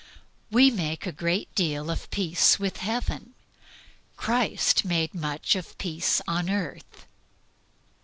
We make a great deal of peace with heaven; Christ made much of peace on earth.